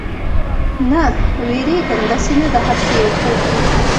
نه، وېرېږم، داسې نه دا هر څه یو خوب وي.